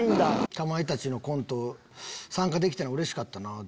かまいたちのコント参加できたのうれしかったな。